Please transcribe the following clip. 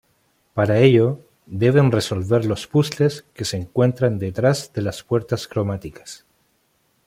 Para ello, deben resolver los puzzles que se encuentran detrás de las Puertas Cromáticas.